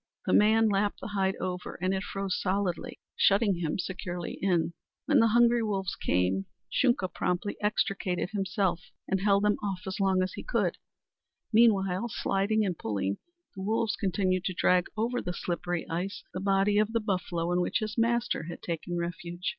The man lapped the hide over and it froze solidly, shutting him securely in. When the hungry wolves came Shunka promptly extricated himself and held them off as long as he could; meanwhile, sliding and pulling, the wolves continued to drag over the slippery ice the body of the buffalo in which his master had taken refuge.